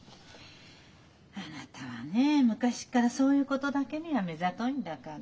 あなたはね昔からそういうことだけには目ざといんだから。